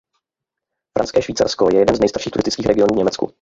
Franské Švýcarsko je jeden z nejstarších turistických regionů v Německu.